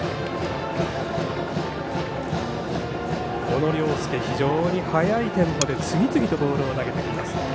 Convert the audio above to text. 小野涼介、非常に速いテンポで次々とボールを投げています。